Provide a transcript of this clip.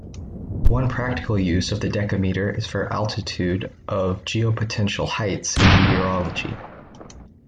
One practical use of the decameter is for altitude of geopotential heights in meteorology.